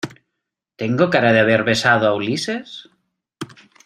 ¿ tengo cara de haber besado a Ulises?